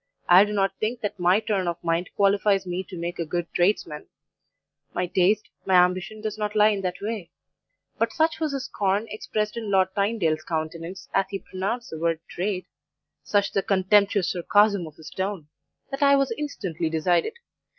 I do not think that my turn of mind qualifies me to make a good tradesman; my taste, my ambition does not lie in that way; but such was the scorn expressed in Lord Tynedale's countenance as he pronounced the word TRADE such the contemptuous sarcasm of his tone that I was instantly decided.